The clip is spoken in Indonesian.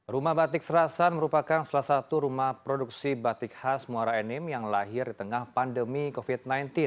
rumah batik serasan merupakan salah satu rumah produksi batik khas muara enim yang lahir di tengah pandemi covid sembilan belas